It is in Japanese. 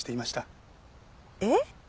えっ？